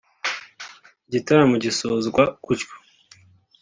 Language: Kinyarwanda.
igitaramo gisozwa gutyo